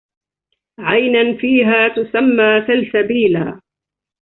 عينا فيها تسمى سلسبيلا